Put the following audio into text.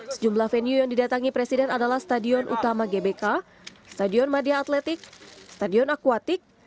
sejumlah venue yang didatangi presiden adalah stadion utama gbk stadion madia atletik stadion akuatik